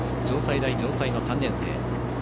城西大城西の３年生。